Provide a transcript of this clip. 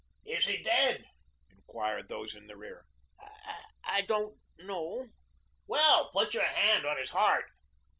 "Is he dead?" inquired those in the rear. "I don't know." "Well, put your hand on his heart."